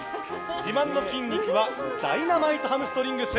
自慢の筋肉はダイナマイトハムストリングス。